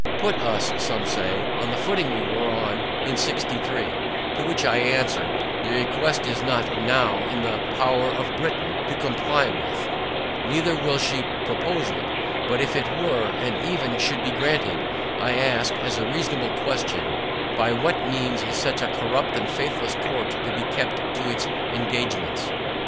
Put us, say some, on the footing we were on in sixty three: To which I answer, the request is not NOW in the power of Britain to comply with, neither will she propose it; but if it were, and even should be granted, I ask, as a reasonable question, By what means is such a corrupt and faithless court to be kept to its engagements?